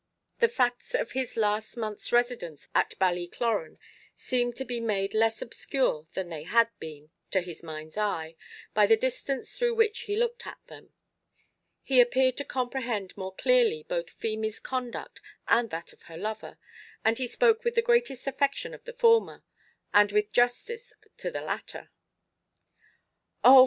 The facts of his last month's residence at Ballycloran seemed to be made less obscure than they had been, to his mind's eye, by the distance through which he looked at them. He appeared to comprehend more clearly both Feemy's conduct and that of her lover, and he spoke with the greatest affection of the former, and with justice to the latter. "Oh!